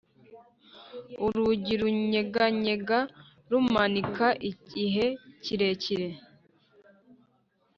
urugi runyeganyega rumanika igihe kirekire.